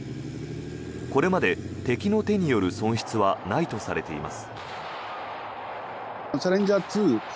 これまで敵の手による損失はないとされています。